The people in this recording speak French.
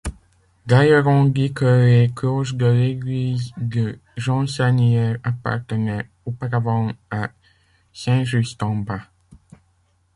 D'ailleurs on dit que les cloches de l'église de Jeansagnière appartenaient auparavant à Saint-Just-en-Bas.